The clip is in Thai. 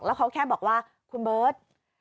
แล้วเขาแค่บอกว่าคุณเบิร์ต